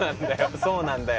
そうなんだよ。